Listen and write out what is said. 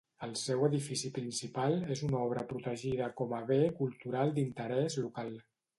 El seu edifici principal és una obra protegida com a bé cultural d'interès local.